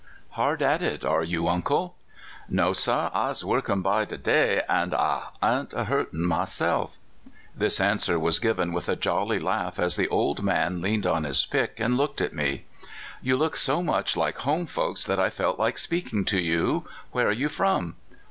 HARD at it, are you, uncle?" "No, sah I's workin' by de day, an' I an't a hurtin' myself." This answer was given with a jolly laugh as the old man leaned on his pick and looked at me. " You looked so much like home folks that I felt like speaking to you. Where are you from?"